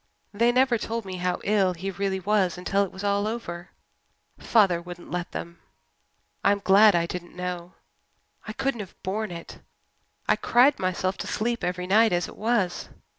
"They never told me how ill he really was until it was all over father wouldn't let them. I'm glad I didn't know I couldn't have borne it. I cried myself to sleep every night as it was.